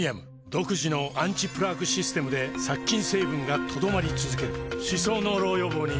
独自のアンチプラークシステムで殺菌成分が留まり続ける歯槽膿漏予防にプレミアム